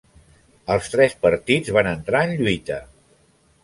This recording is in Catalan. Els tres partits van entrar en lluita.